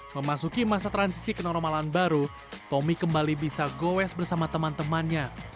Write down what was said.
memasuki masa transisi kenormalan baru tommy kembali bisa goes bersama teman temannya